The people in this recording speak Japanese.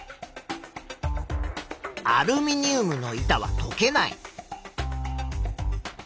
アルミニウムの板はとけない。